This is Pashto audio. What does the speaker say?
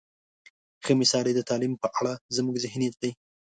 ښه مثال یې د تعلیم په اړه زموږ ذهنیت دی.